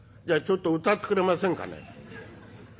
じゃあちょっと歌ってくれませんかね」。